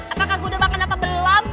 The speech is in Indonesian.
apakah gue udah makan apa gelap